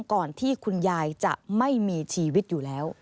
ก่อนที่คุณยายจะไม่มีชีวิตอยู่แล้ว